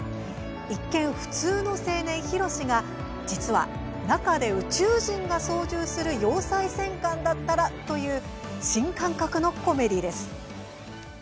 一見、普通の青年ヒロシが実は、中で宇宙人が操縦する要塞戦艦だったらという新感覚のコメディーです。